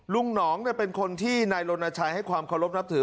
ลุงหนองเนี่ยเป็นคนที่นายโรนชัยให้ความเคารพนับถือ